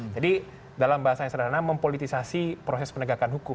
jadi dalam bahasanya sederhana mempolitisasi proses pendekatan hukum